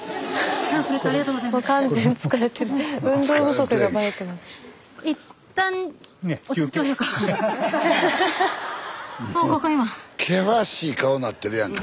スタジオ険しい顔になってるやんか。